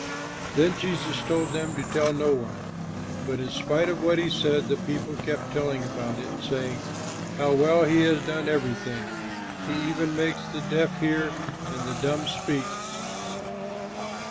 Then Jesus told them to tell no one, but in spite of what he said the people kept telling about it, saying: "How well he has done everything! He even makes the deaf hear, and the dumb speak."